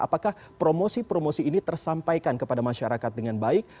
apakah promosi promosi ini tersampaikan kepada masyarakat dengan baik